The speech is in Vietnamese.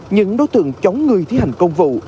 những đối tượng chóng người thi hành công vụ